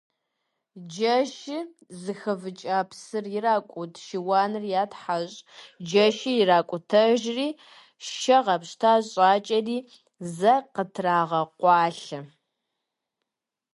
Джэшыр зыхэвыкӀа псыр иракӀут, шыуаныр ятхьэщӀ, джэшыр иракӀутэжри, шэ гъэпщта щӀакӀэри, зэ къытрагъэкъуалъэ.